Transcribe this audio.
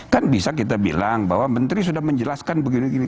kan bisa kita bilang bahwa menteri sudah menjelaskan begini gini